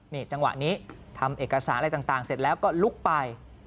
นี่จังหวะนี้ทำเอกสารอะไรต่างเสร็จแล้วก็ลุกไป